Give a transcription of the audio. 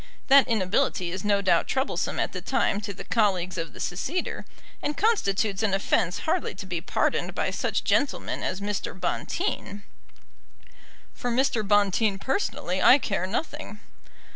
That inability is no doubt troublesome at the time to the colleagues of the seceder, and constitutes an offence hardly to be pardoned by such gentlemen as Mr. Bonteen." "For Mr. Bonteen personally I care nothing."